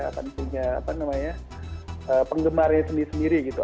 akan punya apa namanya penggemarnya sendiri sendiri gitu